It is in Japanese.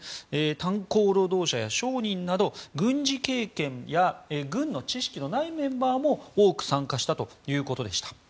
炭鉱労働者や商人など軍事経験や軍の知識のないメンバーも多く参加したということでした。